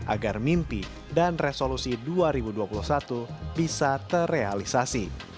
agar mimpi dan resolusi dua ribu dua puluh satu bisa terrealisasi